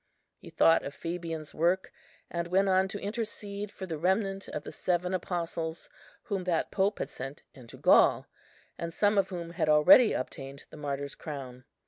He thought of Fabian's work, and went on to intercede for the remnant of the seven apostles whom that Pope had sent into Gaul, and some of whom had already obtained the martyr's crown.